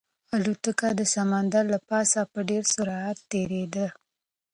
الوتکه د سمندر له پاسه په ډېر سرعت تېرېده.